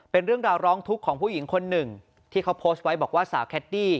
เป็นเรื่องราวร้องทุกข์ของผู้หญิงคนหนึ่งที่เขาโพสต์ไว้บอกว่าสาวแคดดี้